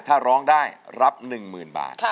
ถ้าร้องได้รับ๑๐๐๐บาท